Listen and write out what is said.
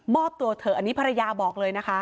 อบตัวเถอะอันนี้ภรรยาบอกเลยนะคะ